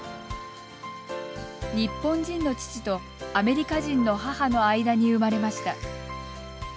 日本人の父とアメリカ人の母の間に生まれました。